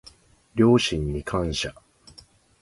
両親に感謝